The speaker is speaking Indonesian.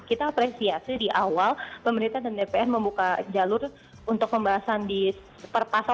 kita apresiasi di awal pemerintah dan dpr membuka jalur untuk pembahasan di perpasangan